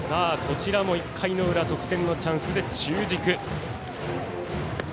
１回の裏得点のチャンスで中軸。